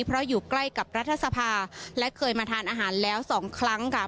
เพราะอยู่ใกล้กับรัฐสภาและเคยมาทานอาหารแล้วสองครั้งค่ะ